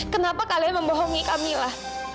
kenapa kalian membohongi kak mila